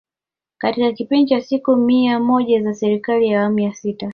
Katika kipindi cha siku mia moja za Serikali ya Awamu ya Sita